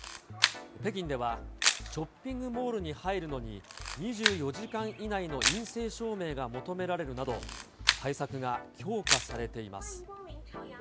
北京ではショッピングモールに入るのに、２４時間以内の陰性証明が求められるなど、対策が強化されています。